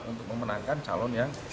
untuk memenangkan calon yang